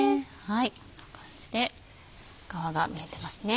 こんな感じで皮が見えてますね。